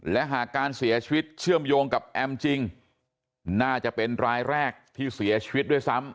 และหากการเสียชีวิตเชื่อมโยงกับแอมจริงน่าจะเป็นรายแรกที่เสียชีวิตด้วยซ้ำ